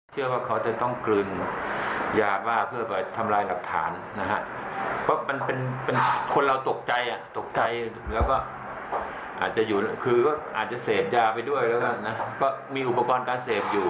คืออาจจะเสพยาไปด้วยก็มีอุปกรณ์การเสพอยู่